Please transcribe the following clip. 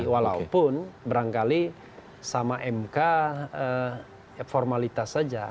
walaupun berangkali sama mk formalitas saja